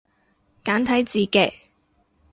簡體字嘅